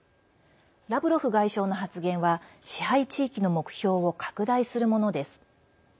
ラブロフ外相の発言は支配地域の目標を拡大するものです。